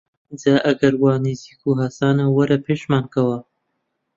جا ئەگەر وا نزیک و هاسانە وەرە پێشمان کەوە!